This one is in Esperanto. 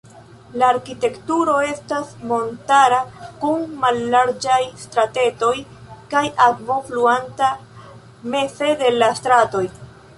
La arkitekturo estas montara kun mallarĝaj stratetoj kaj akvo fluanta meze de la stratoj.